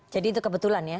jadi itu kebetulan ya